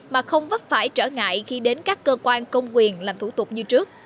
mà không vấp phải trở ngại khi đến các cơ quan công quyền làm thủ tục như trước